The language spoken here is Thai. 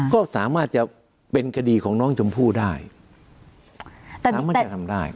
ก็สามารถจะเป็นคดีของน้องชมพู่ได้แต่สามารถจะทำได้